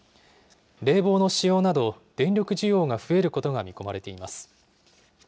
冷房の使用など、電力需要が増えることが見込まれています。